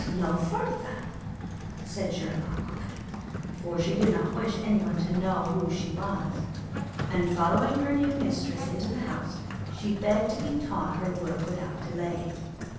'Lauphertha,' said Geirlaug quickly, for she did not wish anyone to know who she was; and following her new mistress into the house, she begged to be taught her work without delay.